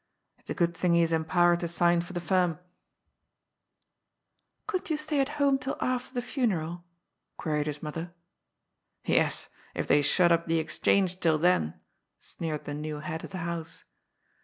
It's a good thing he is empowered to sign for the firm," THE HEAD OF THE FIRM, m "Couldn't you stay at home till after the funeral? queried his mother. " Yes, if they shut up the * Exchange ' till then," sneered the new head of the house.